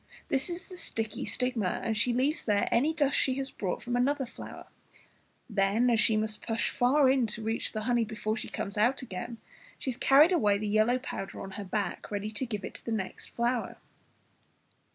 This is the sticky stigma, and she leaves there any dust she has brought from another flower; then, as she must push far in to reach the honey, before she comes out again has carried away the yellow powder on her back, ready to give it to the next flower.